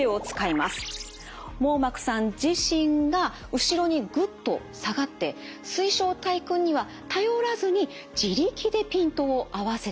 網膜さん自身が後ろにグッと下がって水晶体くんには頼らずに自力でピントを合わせてしまうんです。